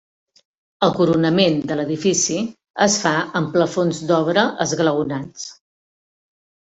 El coronament de l'edifici es fa amb plafons d'obra esglaonats.